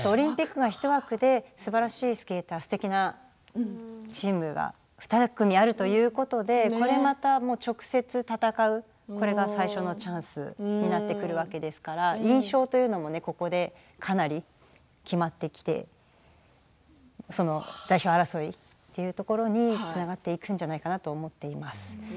日本代表１枠ですばらしいスケーターが２組あるということで直接戦うこれが最初のチャンスになってくるわけですから印象というのもここでかなり決まってきて代表争いというところにつながっていくんじゃないかなと思っています。